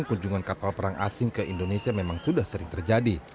kunjungan kapal perang asing ke indonesia memang sudah sering terjadi